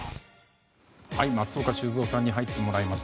松岡修造さんに入ってもらいます。